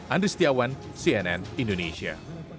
andri setiawan cnn indonesia